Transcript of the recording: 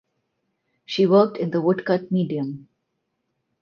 She worked in the woodcut medium.